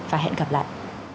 và hẹn gặp lại